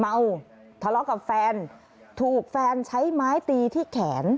เมาทะเลาะกับแฟนถูกแฟนใช้ไม้ตีที่แขน